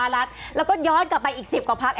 แล้วก็ย้อนกลับไปอีก๑๐กว่าพัก